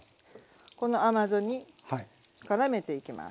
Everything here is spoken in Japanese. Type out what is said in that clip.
この甘酢にからめていきます。